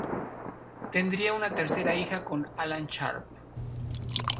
Tendría una tercera hija con Alan Sharp.